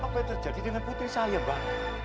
bah apa yang terjadi dengan putri saya bah